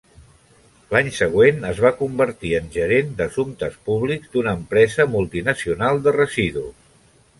L'any següent es va convertir en gerent d'assumptes públics d'una empresa multinacional de residus.